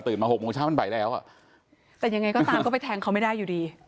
มาหกโมงเช้ามันบ่ายแล้วอ่ะแต่ยังไงก็ตามก็ไปแทงเขาไม่ได้อยู่ดี